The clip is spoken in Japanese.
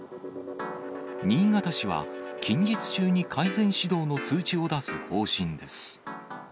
新潟市は、近日中に改善指導の通知を出す方針です。